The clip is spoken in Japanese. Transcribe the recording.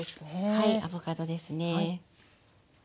はいアボカドですね。